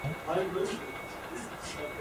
ٿارو اي مي ڪوم ڪاائہ ھي